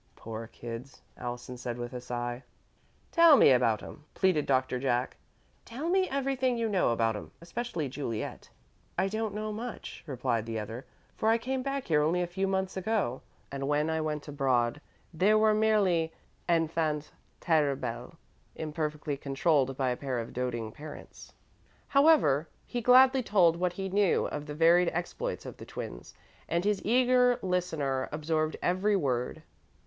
"Poor kids," Allison said, with a sigh. "Tell me about 'em," pleaded Doctor Jack "Tell me everything you know about 'em, especially Juliet." "I don't know much," replied the other, "for I came back here only a few months ago, and when I went abroad, they were merely enfants terribles imperfectly controlled by a pair of doting parents." However, he gladly told what he knew of the varied exploits of the twins, and his eager listener absorbed every word.